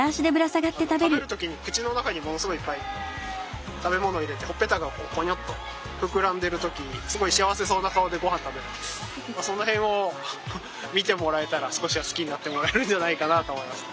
食べる時に口の中にものすごいいっぱい食べ物を入れてほっぺたがこうぽにょっと膨らんでる時すごい幸せそうな顔でごはん食べるのでその辺を見てもらえたら少しは好きになってもらえるんじゃないかなと思います。